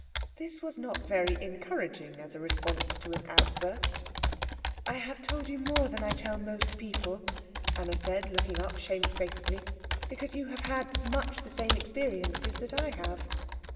This was not very encouraging as a response to an outburst. "I have told you more than I tell most people," Anna said, looking up shamefacedly, "because you have had much the same experiences that I have."